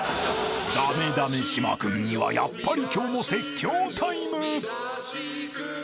［駄目駄目島君にはやっぱり今日も説教タイム！］